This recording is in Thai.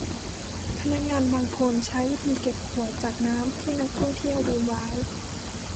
พนักงานบางคนใช้วิธีเก็บขวดน้ำจากที่นักท่องเที่ยวลืมไว้